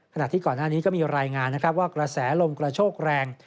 ขณะที่ก่อนหน้านี้ก็มีรายงานนะครับว่ากระแสลมกระโชกแรง